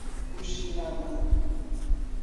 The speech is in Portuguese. Puxinanã